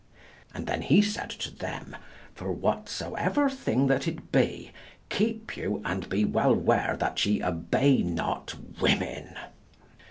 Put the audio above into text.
And then he said to them, "For whatsoever thing that it be, keep you and be well ware that ye obey not women."